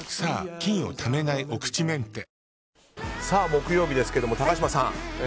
木曜日ですけども高嶋さん